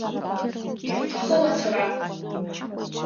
Ирҭахым ацара!